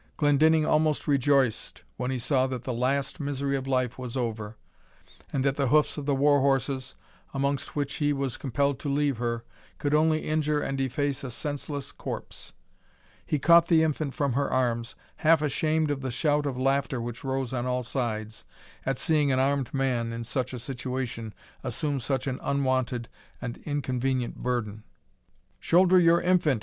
Glendinning almost rejoiced when he saw that the last misery of life was over, and that the hoofs of the war horses, amongst which he was compelled to leave her, could only injure and deface a senseless corpse. He caught the infant from her arms, half ashamed of the shout of laughter which rose on all sides, at seeing an armed man in such a situation assume such an unwonted and inconvenient burden. "Shoulder your infant!"